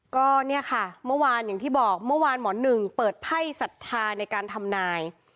ก็เนี่ยค่ะเมื่อวานอย่างที่บอกเมื่อวานหมอหนึ่งเปิดไพ่ศรัทธาในการทำนาย